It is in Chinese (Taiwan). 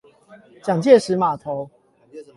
蔣介石碼頭